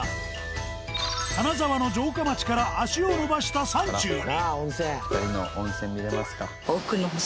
金沢の城下町から足を延ばした山中に。